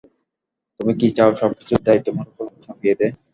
তুমি কি চাও, সবকিছুর দায় তোমার উপয় চাপিয়ে দেই?